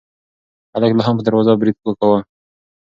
هلک لا هم په دروازه برید کاوه.